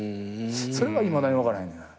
それがいまだに分からへんねん。